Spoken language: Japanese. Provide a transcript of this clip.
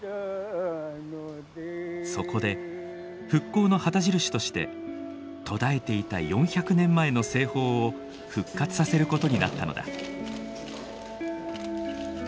そこで復興の旗印として途絶えていた４００年前の製法を復活させることになったのだ。